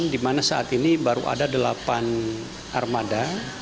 di mana saat ini baru ada delapan armada